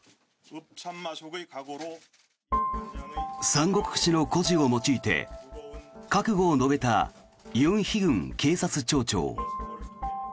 「三国志」の故事を用いて覚悟を述べたユン・ヒグン警察庁長。